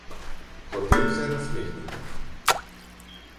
Hotel se je nasmehniti.